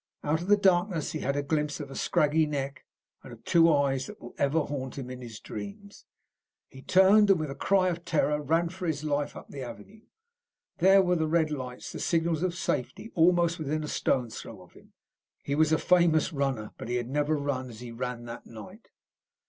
Out of the darkness he had a glimpse of a scraggy neck, and of two eyes that will ever haunt him in his dreams. He turned, and with a cry of terror he ran for his life up the avenue. There were the red lights, the signals of safety, almost within a stone's throw of him. He was a famous runner, but never had he run as he ran that night.